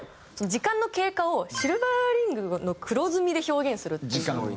時間の経過をシルバーリングの黒ずみで表現するっていう。